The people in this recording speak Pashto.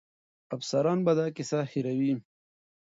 افسران به دا کیسه هېروي.